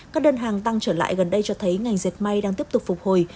các đơn hàng tăng trở lại gần đây cho thấy ngành dệt may đang tiếp tục phục hồi